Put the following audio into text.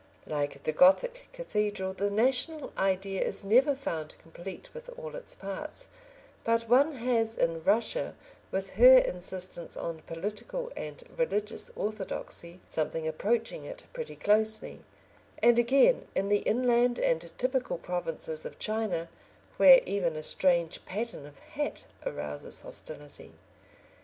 Like the Gothic cathedral, the national idea is never found complete with all its parts; but one has in Russia, with her insistence on political and religious orthodoxy, something approaching it pretty closely, and again in the inland and typical provinces of China, where even a strange pattern of hat arouses hostility.